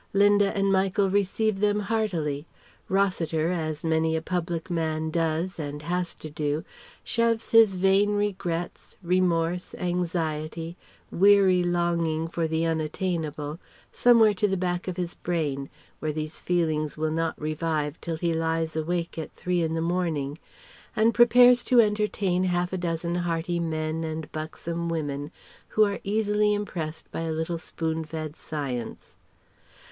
Linda and Michael receive them heartily. Rossiter as many a public man does and has to do shoves his vain regrets, remorse, anxiety, weary longing for the unattainable somewhere to the back of his brain, where these feelings will not revive till he lies awake at three in the morning; and prepares to entertain half a dozen hearty men and buxom women who are easily impressed by a little spoon fed science.